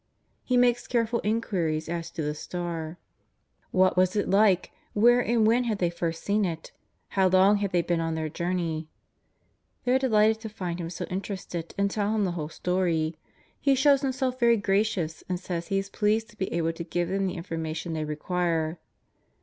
He makes careful inquiries as to the star :^^ What was it like ? When and where had they first seen it ? How long had they been on their journey ?" They are de lighted to find him so interested and tell him the whole story. He shows himself very gracious and says he is pleased to be able to give them the information they re quire.